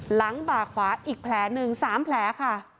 บ่าขวาอีกแผลหนึ่ง๓แผลค่ะ